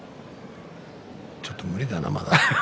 ちょっと無理だな、まだ。